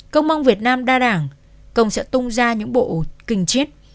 công mong việt nam đa đảng công sẽ tung ra những bộ kinh chiết